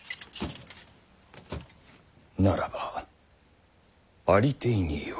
ならばありていに言おう。